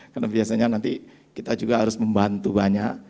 karena biasanya nanti kita juga harus membantu banyak